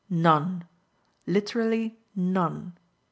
None literally none.